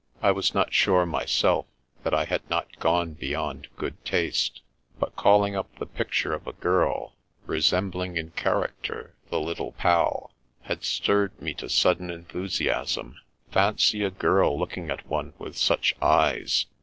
I was not sure, myself, that I had not gone beyond good taste ; but calling up the picture of a girl, resembling in character the Little Pal, had stirred me to sudden enthusiasm. Fancy a girl looking at one with such eyes!